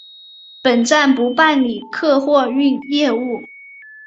本站不办理客货运业务。